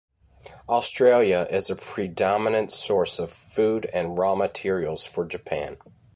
Australia is a predominant source of food and raw materials for Japan.